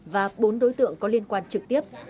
và bốn đối tượng có liên quan trực tiếp